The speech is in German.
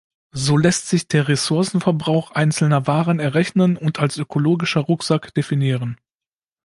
So lässt sich der Ressourcenverbrauch einzelner Waren errechnen und als „ökologischer Rucksack“ definieren.